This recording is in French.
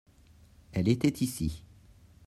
Elle était ici.